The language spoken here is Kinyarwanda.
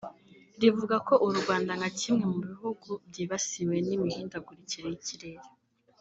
rivuga ko u Rwanda nka kimwe mu bihugu byibasiwe n’imihindagurikire y’ikirere